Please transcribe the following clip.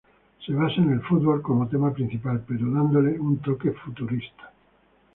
Se basa en el fútbol como tema principal, pero dándole un toque futurista.